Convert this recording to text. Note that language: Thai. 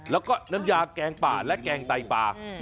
แล้วก็น้ำยาแกงป่าและแกงไตปลา